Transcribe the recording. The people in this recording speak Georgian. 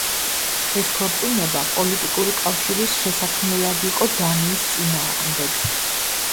ეს ქორწინება პოლიტიკური კავშირის შესაქმნელად იყო დანიის წინააღმდეგ.